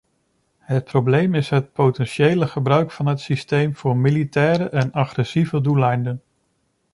Het probleem is het potentiële gebruik van het systeem voor militaire en agressieve doeleinden.